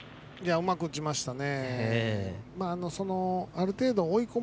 うまく打ちましたね。